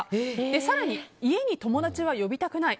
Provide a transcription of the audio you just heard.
更に家に友達は呼びたくない。